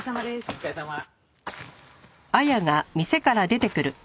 お疲れさま。